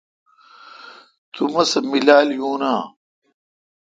تو مہ سہ میلال یون اؘ۔